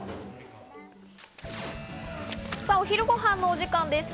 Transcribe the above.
お昼ご飯のお時間です。